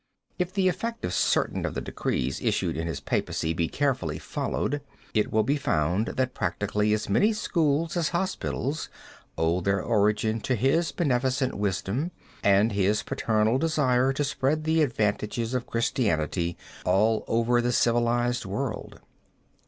If the effect of certain of the decrees issued in his papacy be carefully followed, it will be found that practically as many schools as hospitals owe their origin to his beneficent wisdom and his paternal desire to spread the advantages of Christianity all over the civilized world.